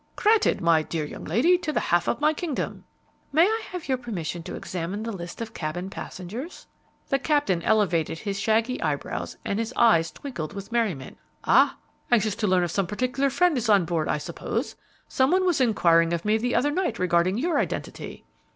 "Granted, my dear young lady, to the half of my kingdom!" "May I have your permission to examine the list of cabin passengers?" The captain elevated his shaggy eyebrows and his eyes twinkled with merriment. "Ah! anxious to learn if some particular friend is on board, I suppose. Some one was inquiring of me the other night regarding your identity."